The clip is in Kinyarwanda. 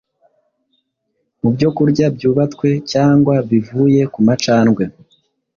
Mubyokurya byubatwe, cyangwa bivuye kumacandwe,